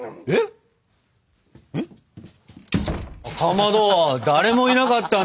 えっ？